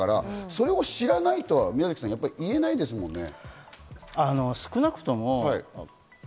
それを知らないとは宮崎さん、言えないですよね。